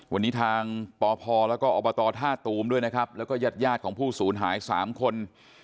วันนี้ทางปพแล้วก็อบตท่าตูมด้วยนะครับแล้วก็ญาติยาดของผู้ศูนย์หาย๓คน